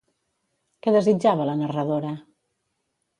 Què desitjava la narradora?